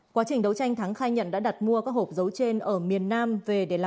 quá trình đấu tranh thắng khai nhận đã đặt mua các hộp dấu trên ở miền nam về để làm